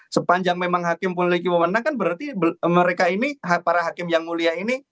sepanjang memang hakim memiliki pemenang kan berarti mereka ini para hakim yang mulia ini